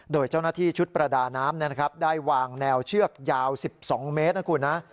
โดยเจ้าหน้าที่ชุดประดาน้ำได้วางแนวเชือกยาว๑๒เมตรนะคุณนะ